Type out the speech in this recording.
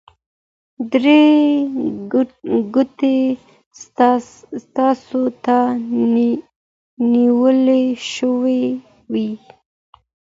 درې ګوتې تاسو ته نیول شوي وي.